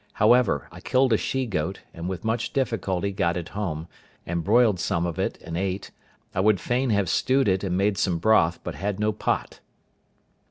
However, I killed a she goat, and with much difficulty got it home, and broiled some of it, and ate, I would fain have stewed it, and made some broth, but had no pot.